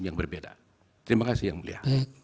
yang berbeda terima kasih yang mulia